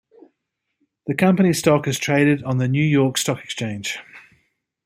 The company stock is traded on the New York Stock Exchange.